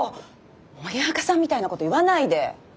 森若さんみたいなこと言わないで。